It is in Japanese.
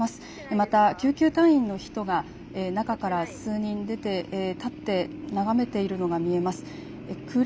また救急隊員の人が中から数人出て、立って眺めているのが見えます。